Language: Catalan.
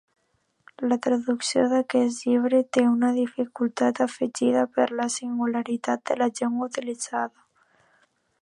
La traducció d'aquest llibre té una dificultat afegida per la singularitat de la llengua utilitzada.